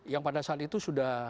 yang pada saat itu sudah